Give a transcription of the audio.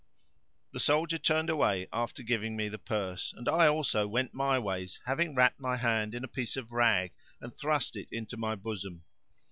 "[FN#546] The soldier turned away after giving me the purse; and I also went my ways having wrapped my hand in a piece of rag and thrust it into my bosom.